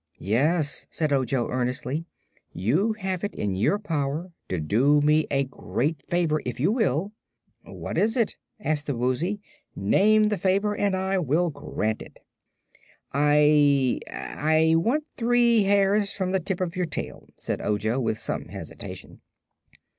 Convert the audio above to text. "Yes," said Ojo earnestly, "you have it in your power to do me a great favor, if you will." "What is it?" asked the Woozy. "Name the favor and I will grant it." "I I want three hairs from the tip of your tail," said Ojo, with some hesitation.